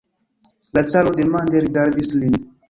La caro demande rigardis lin.